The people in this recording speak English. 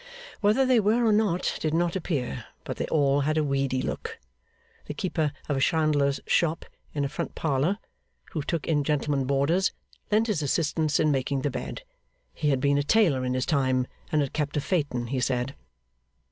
Whether they were or not, did not appear; but they all had a weedy look. The keeper of a chandler's shop in a front parlour, who took in gentlemen boarders, lent his assistance in making the bed. He had been a tailor in his time, and had kept a phaeton, he said.